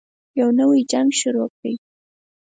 يو نـوی جـنګ شروع كړئ.